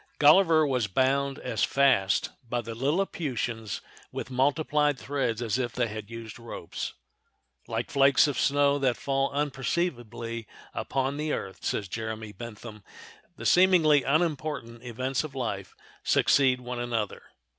Gulliver was bound as fast by the Lilliputians with multiplied threads as if they had used ropes. "Like flakes of snow that fall unperceivedly upon the earth," says Jeremy Bentham, "the seemingly unimportant events of life succeed one another."